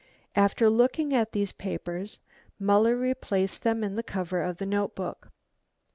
After looking at these papers, Muller replaced them in the cover of the notebook.